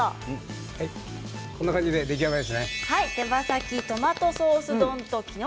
こんな感じで出来上がりです。